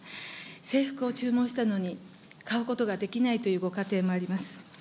制服を注文したのに、買うことができないというご家庭もあります。